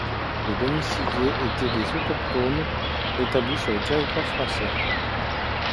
Les domiciliés étaient des autochtones établis sur le territoire français.